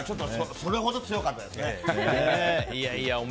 それほど強かったですね。